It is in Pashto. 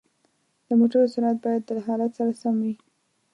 د موټرو سرعت باید د حالت سره سم وي.